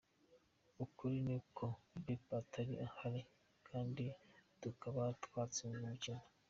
"Ukuri ni uko Pep atari ahari kandi tukaba twatsinzwe umukino.